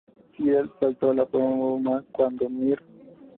Fields saltó a la fama cuando "Mr.